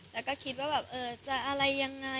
แล้วก็คิดว่าแบบเออจะอะไรยังไง